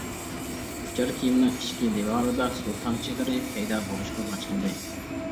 ئۇچار كېمىنىڭ ئىچكى دىۋارىدا سۇ تامچىلىرى پەيدا بولۇشقا باشلىدى.